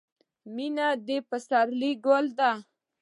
• مینه د پسرلي ګل دی.